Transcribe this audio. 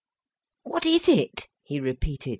"What is it?" he repeated.